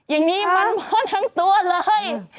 ยังนี้มันมอดทั้งตัวเลย